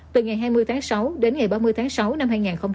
từ ngày hai mươi tháng sáu đến ngày ba mươi tháng sáu năm hai nghìn hai mươi